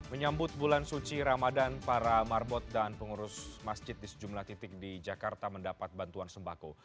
menyambut bulan suci ramadan para marbot dan pengurus masjid di sejumlah titik di jakarta mendapat bantuan sembako